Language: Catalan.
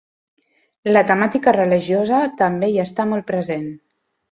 La temàtica religiosa també hi està molt present.